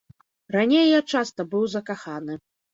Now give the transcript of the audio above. Раней я часта быў закаханы.